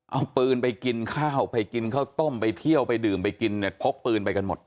เอาปืนไปกินข้าวไปกินข้าวต้มไปเที่ยวไปดื่มไปกินเนี่ยพกปืนไปกันหมด